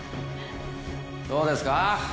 そうですか？